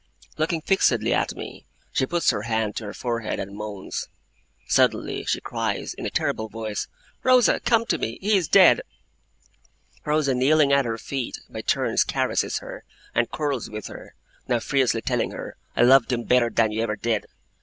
Looking fixedly at me, she puts her hand to her forehead, and moans. Suddenly, she cries, in a terrible voice, 'Rosa, come to me. He is dead!' Rosa kneeling at her feet, by turns caresses her, and quarrels with her; now fiercely telling her, 'I loved him better than you ever did!